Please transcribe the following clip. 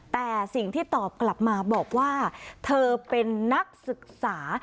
แต่สิ่งที่ตอบกลับมาบอกว่าเธอเป็นนักศึกษา